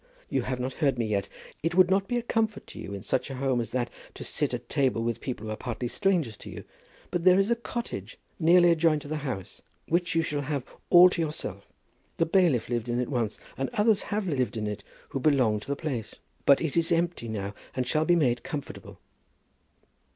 You have not heard me yet. It would not be a comfort to you in such a home as that to sit at table with people who are partly strangers to you. But there is a cottage nearly adjoining to the house, which you shall have all to yourself. The bailiff lived in it once, and others have lived in it who belong to the place; but it is empty now and it shall be made comfortable."